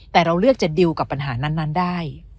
แต่เราเลือกจะดิวกับปัญหานั้นได้